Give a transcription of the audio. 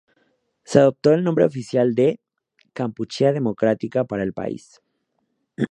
Se adoptó el nombre oficial de "Kampuchea Democrática" para el país.